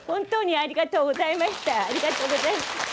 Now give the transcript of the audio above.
ありがとうございます。